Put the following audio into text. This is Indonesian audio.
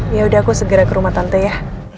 yaudah aku segera ke rumah tante ya